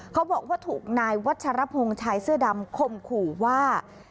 เขาบอกว่าถูกนายวัชรพงศ์ชายเสื้อดำคมขู่ว่า